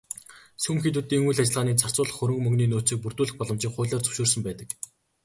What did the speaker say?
Сүм хийдүүдийн үйл ажиллагаандаа зарцуулах хөрөнгө мөнгөний нөөцийг бүрдүүлэх боломжийг хуулиар зөвшөөрсөн байдаг.